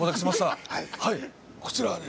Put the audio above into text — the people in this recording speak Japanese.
こちらで。